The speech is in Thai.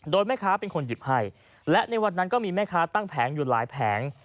โดยแม่ค้าเป็นคนหยิบให้และในวันนั้นก็มีแม่ค้าตั้งแผงอยู่หลายแผง